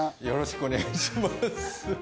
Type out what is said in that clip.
よろしくお願いします